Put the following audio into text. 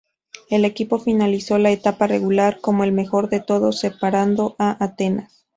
El equipo finalizó la etapa regular como el mejor de todos, superando a Atenas.